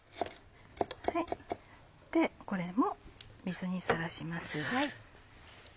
これも水にさらします。